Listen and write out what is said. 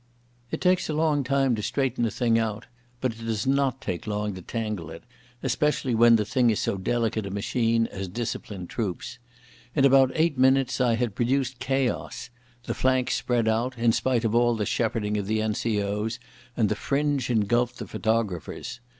It takes a long time to straighten a thing out, but it does not take long to tangle it, especially when the thing is so delicate a machine as disciplined troops. In about eight minutes I had produced chaos. The flanks spread out, in spite of all the shepherding of the N.C.O.s, and the fringe engulfed the photographers.